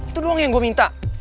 itu doang yang gue minta